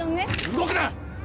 動くな！